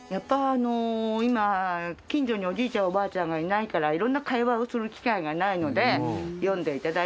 今近所におじいちゃんおばあちゃんがいないから色んな会話をする機会がないので。